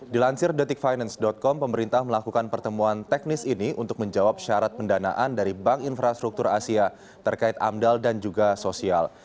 dilansir detikfinance com pemerintah melakukan pertemuan teknis ini untuk menjawab syarat pendanaan dari bank infrastruktur asia terkait amdal dan juga sosial